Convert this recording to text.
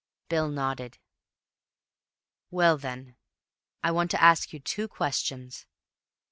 Bill nodded. "Well then, I want to ask you two questions.